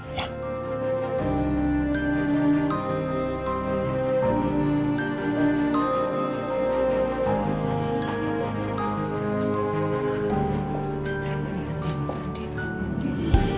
sayang duduk dulu